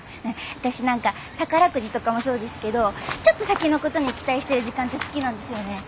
私何か宝くじとかもそうですけどちょっと先のことに期待してる時間って好きなんですよね。